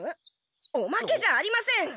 おまけじゃありません！